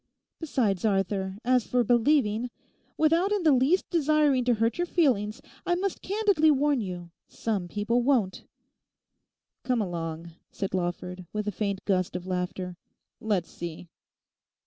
Besides, Arthur, as for believing—without in the least desiring to hurt your feelings—I must candidly warn you, some people won't.' 'Come along,' said Lawford, with a faint gust of laughter; 'let's see.